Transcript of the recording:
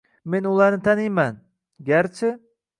Men ularni taniyman… Garchi